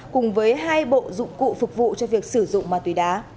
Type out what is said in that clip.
cùng với hai bộ dụng cụ phục vụ cho việc sử dụng ma túy đá